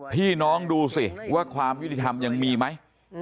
พี่น้องดูสิว่าความยุติธรรมยังมีไหม